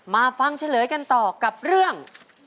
มาฟังเฉลยกันต่อกับเรื่อง